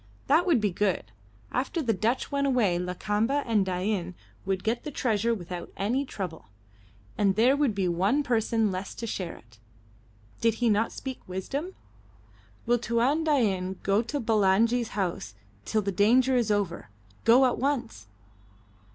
That would be good. After the Dutch went away Lakamba and Dain would get the treasure without any trouble, and there would be one person less to share it. Did he not speak wisdom? Will Tuan Dain go to Bulangi's house till the danger is over, go at once?